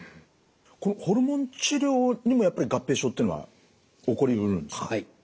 これホルモン治療にもやっぱり合併症っていうのは起こりうるんですか。